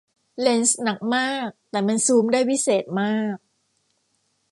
เลนส์หนักมากแต่มันซูมได้วิเศษมาก